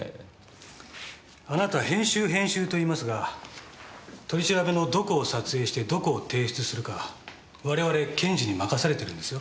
あなた編集編集と言いますが取り調べのどこを撮影してどこを提出するか我々検事に任されてるんですよ。